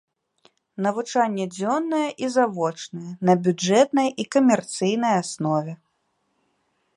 Навучанне дзённае і завочнае, на бюджэтнай і камерцыйнай аснове.